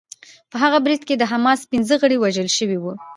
په هغه برید کې د حماس پنځه غړي وژل شوي وو